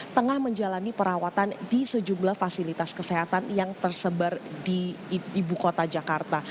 tengah menjalani perawatan di sejumlah fasilitas kesehatan yang tersebar di ibu kota jakarta